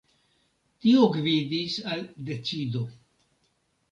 Tio gvidis al decido.